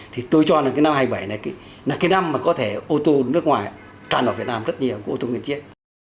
thì tôi cho là cái năm hai nghìn bảy này là cái năm mà có thể ô tô nước ngoài tràn vào việt nam rất nhiều ô tô nguyên chiếc